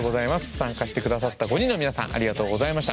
参加して下さった５人の皆さんありがとうございました。